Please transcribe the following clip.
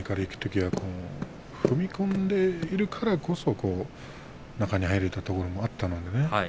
踏み込んでいるからこそ中に入れたところもあったんでね。